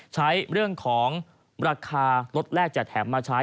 ใช้เรื่องของราคารดหลักลงแทบมาใช้